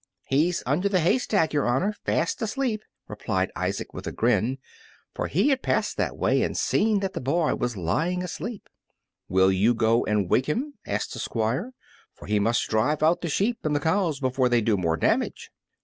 "He's under the hay stack, your honor, fast asleep!" replied Isaac with a grin, for he had passed that way and seen that the boy was lying asleep. "Will you go and wake him?" asked the Squire; "for he must drive out the sheep and the cows before they do more damage."